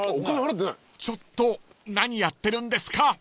［ちょっと何やってるんですか！］